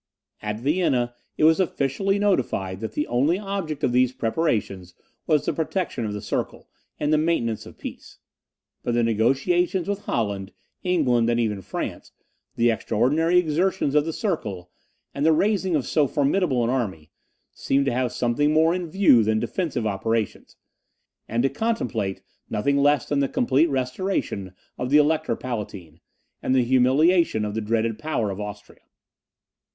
At Vienna, it was officially notified that the only object of these preparations was the protection of the circle, and the maintenance of peace. But the negociations with Holland, England, and even France, the extraordinary exertions of the circle, and the raising of so formidable an army, seemed to have something more in view than defensive operations, and to contemplate nothing less than the complete restoration of the Elector Palatine, and the humiliation of the dreaded power of Austria.